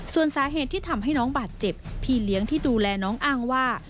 ส่วนสาเหตุที่ทำให้น้องบาดเจ็บพี่เลี้ยงที่ดูแลน้องอ้างว่า